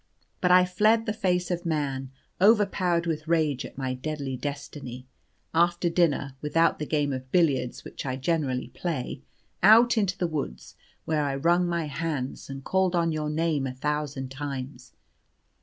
But I fled the face of man, overpowered with rage at my deadly destiny, after dinner without the game of billiards which I generally play out into the woods, where I wrung my hands, and called on your name a thousand times.